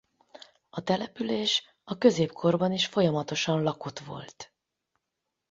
A település a középkorban is folyamatosan lakott volt.